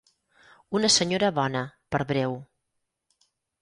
Una senyora bona, per breu.